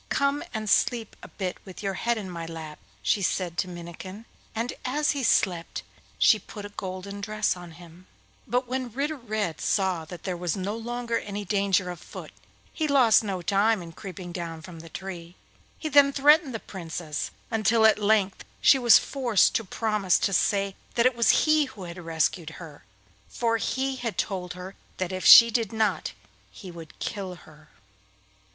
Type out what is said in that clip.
'Come and sleep a bit with your head in my lap,' she said to Minnikin, and as he slept she put a golden dress on him. But when Ritter Red saw that there was no longer any danger afoot, he lost no time in creeping down from the tree. He then threatened the Princess, until at length she was forced to promise to say that it was he who had rescued her, for he told her that if she did not he would kill her.